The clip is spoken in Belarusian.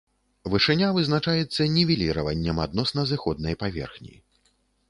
Вышыня вызначаецца нівеліраваннем адносна зыходнай паверхні.